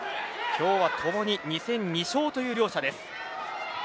今日はともに２戦２勝という両者です。